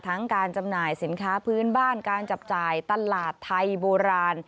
การจำหน่ายสินค้าพื้นบ้านการจับจ่ายตลาดไทยโบราณ